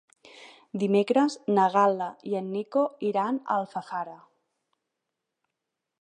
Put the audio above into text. Dimecres na Gal·la i en Nico iran a Alfafara.